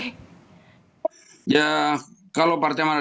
ya kalau partai amanat nasional kan tidak bisa melakukan pengandaian dulu